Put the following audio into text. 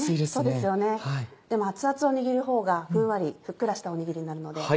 でも熱々を握るほうがふんわりふっくらしたおにぎりになるので。